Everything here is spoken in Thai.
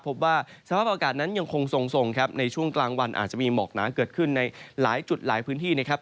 พบว่าสภาพอากาศนั้นยังคงทรงครับในช่วงกลางวันอาจจะมีหมอกหนาเกิดขึ้นในหลายจุดหลายพื้นที่นะครับ